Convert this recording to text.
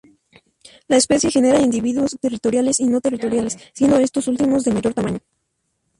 La especie genera individuos territoriales y no territoriales, siendo estos últimos de mayor tamaño.